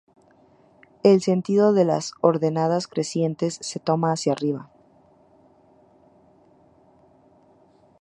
El sentido de las ordenadas crecientes se toma hacia arriba.